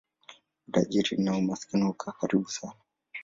Utajiri na umaskini hukaa karibu sana.